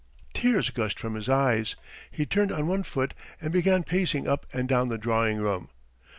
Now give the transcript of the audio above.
Tears gushed from his eyes. He turned on one foot and began pacing up and down the drawing room.